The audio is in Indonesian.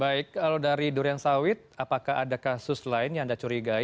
baik kalau dari durian sawit apakah ada kasus lain yang anda curigai